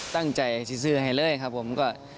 ตั้งใจจะซื้อให้เลยครับผมก็